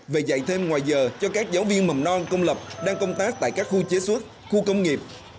về dạy thêm ngoài giờ cho các giáo viên mầm non công lập đang công tác tại các khu chế xuất khu công nghiệp